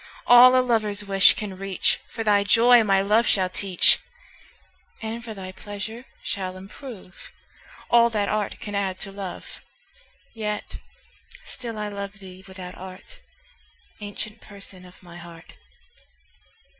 All a lover's wish can reach, For thy joy my love shall teach; And for thy pleasure shall improve All that art can add to love. Yet still I love thee without art, Ancient Person of my heart.